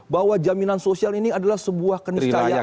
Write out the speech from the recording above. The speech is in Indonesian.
bahwa jaminan sosial ini adalah sebuah keniscayaan